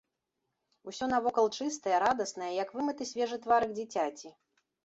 Усё навакол чыстае, радаснае, як вымыты свежы тварык дзіцяці.